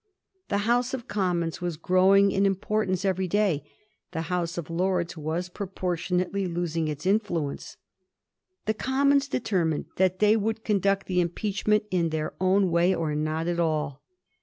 The House of Commons was growing in importance every day ; the House of Lords was proportionately losing its influence. The Commons determined that they would conduct the impeachment in their own way or not at all.